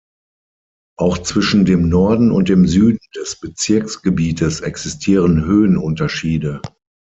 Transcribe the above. Auch zwischen dem Norden und dem Süden des Bezirksgebietes existieren Höhenunterschiede.